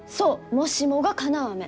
「もしも」がかなう飴。